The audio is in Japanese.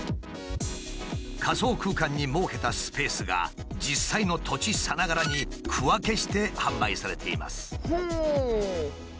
仮想空間に設けたスペースが実際の土地さながらに区分けして販売されています。